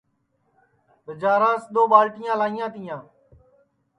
ٻجاراس دؔو ٻالٹیاں لائیںٚا تیاں